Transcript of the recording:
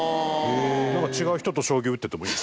違う人と将棋を打っててもいい？